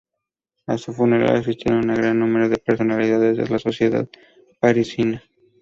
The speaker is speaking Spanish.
A su funeral asistieron un gran número de personalidades de la sociedad parisina.